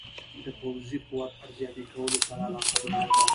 د پوځي قوت ارزیابي کولو سره علاقه درلوده.